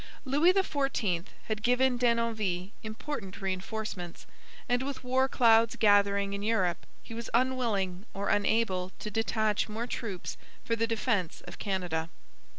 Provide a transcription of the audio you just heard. Louis XIV had given Denonville important reinforcements, and with war clouds gathering in Europe he was unwilling or unable to detach more troops for the defence of Canada.